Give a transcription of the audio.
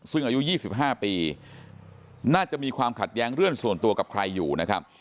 ซึ่งอายุ๒๕ปีน่าจะมีความขัดแย้งเรื่องส่วนตัวกับใครอยู่นะครับ